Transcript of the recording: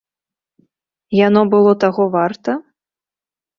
Яно было таго варта?